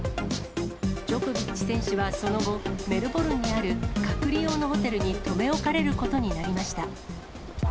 ジョコビッチ選手はその後、メルボルンにある隔離用のホテルに留め置かれることになりました。